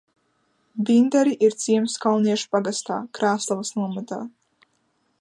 Bindari ir ciems Kalniešu pagastā, Krāslavas novadā.